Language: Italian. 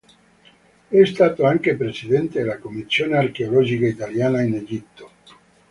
È stato anche presidente della Commissione archeologica italiana in Egitto.